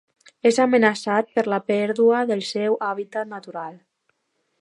És amenaçat per la pèrdua del seu hàbitat natural.